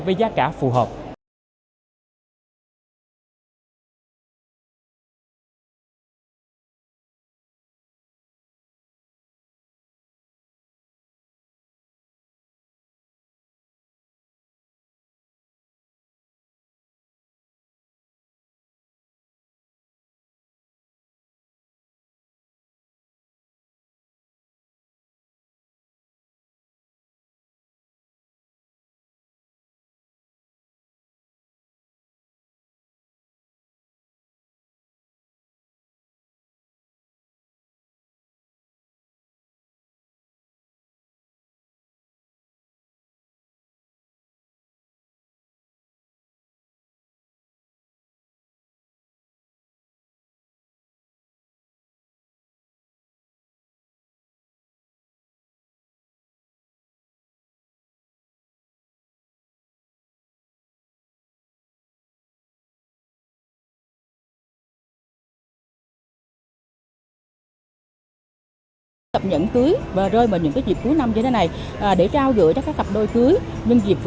với giá cả phù hợp